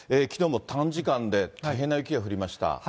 きのうも短時間で大変な雪が降りました。